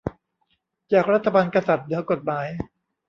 จากรัฐบาลกษัตริย์เหนือกฎหมาย